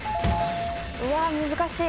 うわっ難しい。